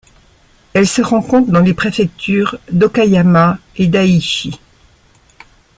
Elle se rencontre dans les préfectures d'Okayama et d'Aichi.